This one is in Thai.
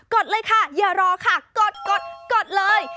ดเลยค่ะอย่ารอค่ะกดกดกดเลย